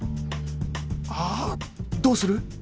ああどうする？